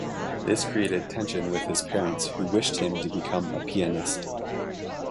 This created tension with his parents, who wished him to become a pianist.